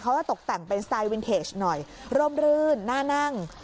จะตกแต่งเป็นสไตล์วินเทจหน่อยร่มรื่นหน้านั่ง